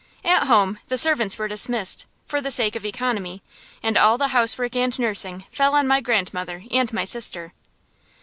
At home, the servants were dismissed, for the sake of economy, and all the housework and the nursing fell on my grandmother and my sister.